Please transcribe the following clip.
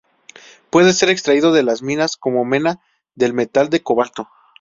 Puede ser extraído de las minas como mena del metal de cobalto.